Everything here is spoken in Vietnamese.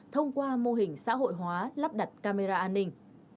thông qua mô hình xã hội hóa lắp đặt camera an ninh